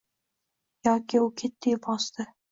Yoki u ketdiyu bosdi.